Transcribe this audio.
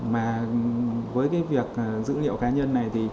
mà với việc dữ liệu cá nhân này